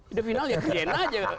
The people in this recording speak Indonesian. udah final ya giliran aja